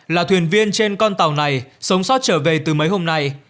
là thuyền viên trên con tàu này sống sót trở về từ mấy hôm nay